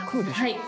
はい。